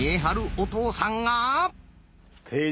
お父さん。